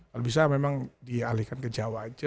kalau bisa memang dialihkan ke jawa aja